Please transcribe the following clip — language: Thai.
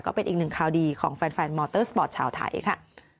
ก็เป็นอีกหนึ่งข่าวดีของแฟนมอเตอร์สปอร์ตชาวไทยค่ะ